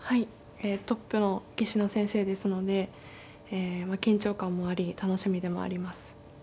えトップの棋士の先生ですので緊張感もあり楽しみでもあります。